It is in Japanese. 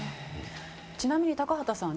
ちなみに高畑さん